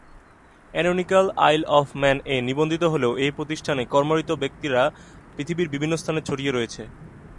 Canonical Isle of ম্যান-এ নিবন্ধিত হলেও, এই প্রতিষ্ঠানে কর্মরত ব্যক্তিরা পৃথিবীর বিভিন্ন স্থানে ছড়িয়ে রয়েছে।